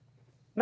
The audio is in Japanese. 何？